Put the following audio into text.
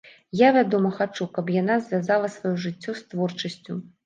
Я, вядома, хачу, каб яна звязала сваё жыццё з творчасцю.